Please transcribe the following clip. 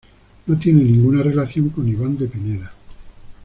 No tiene ninguna relación con Iván de Pineda.